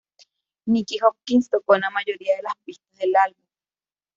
Nicky Hopkins tocó en la mayoría de las pistas del álbum.